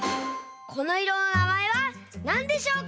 このいろのなまえはなんでしょうか？